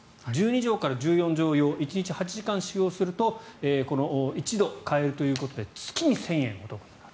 １２畳から１４畳用１日８時間使用すると１度変えるということで月に１０００円お得。